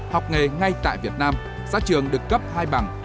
học nghề ngay tại việt nam ra trường được cấp hai bằng